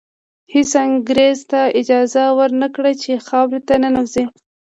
هېڅ انګریز ته اجازه ور نه کړي چې خاورې ته ننوځي.